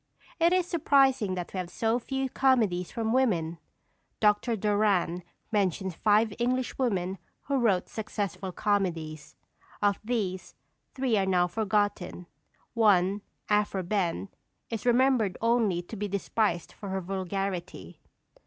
It is surprising that we have so few comedies from women. Dr. Doran mentions five Englishwomen who wrote successful comedies. Of these, three are now forgotten; one, Aphra Behn, is remembered only to be despised for her vulgarity.